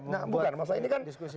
nah bukan masa ini kan saya ini